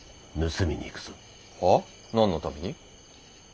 はあ？何のために？